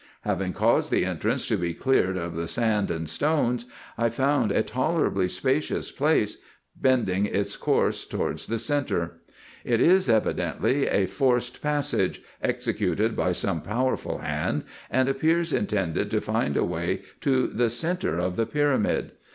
Having caused the entrance to be cleared of the sand and stones, I found a tolerably spacious place, bending its course towards the centre. It is evidently a forced passage, executed by some powerful hand, and appears intended to find a May to the centre of the pyramid.